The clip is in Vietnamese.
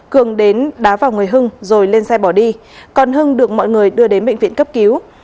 cường đến đá vào người hưng rồi lên xe bỏ đi còn hưng được mọi người đưa đến bệnh viện cấp cứu